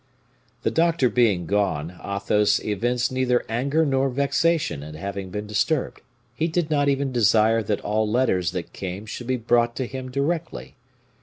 The doctor being gone, Athos evinced neither anger nor vexation at having been disturbed. He did not even desire that all letters that came should be brought to him directly.